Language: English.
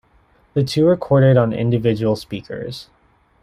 The two recorded on individual speakers.